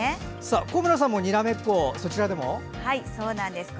小村さんもにらめっこそちらでも？